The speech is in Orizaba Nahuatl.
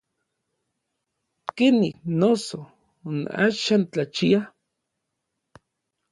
¿Kenij, noso, n axan tlachia?